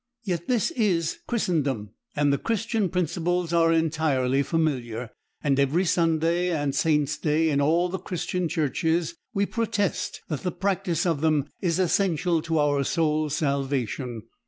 Yet this is Christendom, and the Christian principles are entirely familiar, and every Sunday and saint's day in all the Christian churches we protest that the practice of them is essential to our soul's salvation.